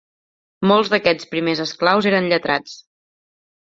Molts d'aquests primers esclaus eren lletrats.